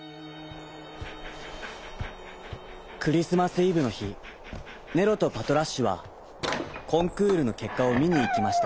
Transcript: クリスマスイブのひネロとパトラッシュはコンクールのけっかをみにいきました。